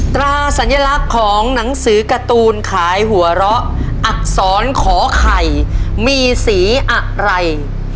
ตราสัญลักษณ์ของหนังสือการ์ตูนขายหัวเราะอักษรขอไข่มีสีอะไร